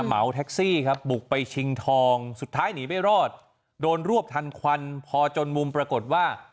เหมาแท็กซี่ครับบุกไปชิงทองสุดท้ายหนีไม่รอดโดนรวบทันควันพอจนมุมปรากฏว่า